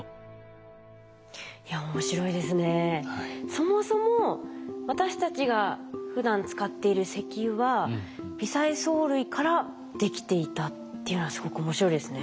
そもそも私たちがふだん使っている石油は微細藻類からできていたっていうのはすごく面白いですね。